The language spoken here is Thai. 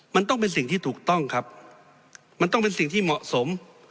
มันต้องเป็นสิ่งที่ถูกต้องครับมันต้องเป็นสิ่งที่เหมาะสม